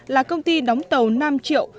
là công ty đóng tàu nam triệu